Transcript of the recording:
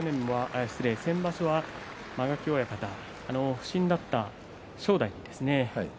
先場所は間垣親方不振だった正代ですね